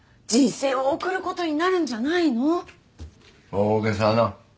大げさな。